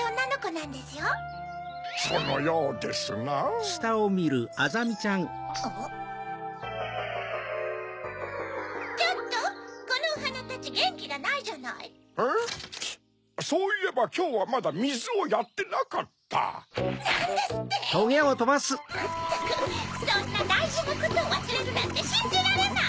なんですって⁉まったくそんなだいじなことをわすれるなんてしんじられない！